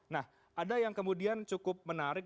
nah ada yang kemudian cukup menarik